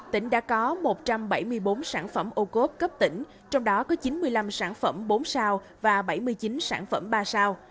tỉnh đã có một trăm bảy mươi bốn sản phẩm ô cốp cấp tỉnh trong đó có chín mươi năm sản phẩm bốn sao và bảy mươi chín sản phẩm ba sao